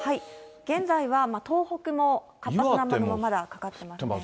現在は東北も活発な雨雲がまだかかってますね。